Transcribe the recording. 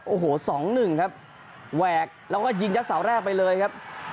โอ้โห๒๑ครับแหวกแล้วก็ยิงยัดเสาแรกไปเลยครับ